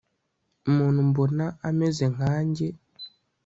Umuntu mbona ameze nkanjye